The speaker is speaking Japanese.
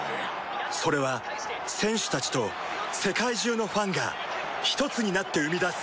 それは選手たちと世界中のファンがひとつになって生み出す